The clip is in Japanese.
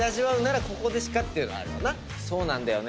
そうなんだよね。